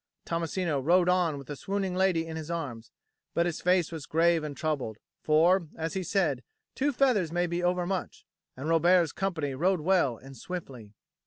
Tommasino rode on with the swooning lady in his arms; but his face was grave and troubled, for, as he said, two feathers may be overmuch, and Robert's company rode well and swiftly.